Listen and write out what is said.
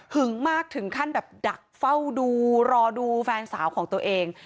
มากถึงขั้นแบบดักเฝ้าดูรอดูแฟนสาวของตัวเอง